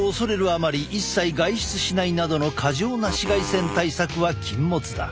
あまり一切外出しないなどの過剰な紫外線対策は禁物だ。